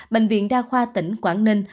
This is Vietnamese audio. bệnh viện đa khoa tỉnh quảng ninh